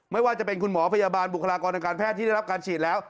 ไม่ว่าจะเป็นคุณหมอพยาบาลบุคลากรทางการแพทย์ที่ได้รับการฉีดแล้ว